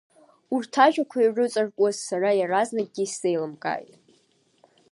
Урҭ ажәақәа ирыҵаркуаз сара иаразнакгьы исзеилымкааит.